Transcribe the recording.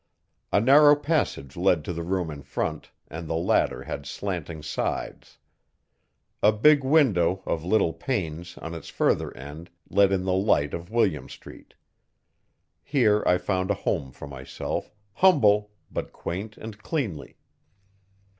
A narrow passage led to the room in front and the latter had slanting sides. A big window of little panes, in its further end, let in the light of William Street. Here I found a home for myself, humble but quaint and cleanly.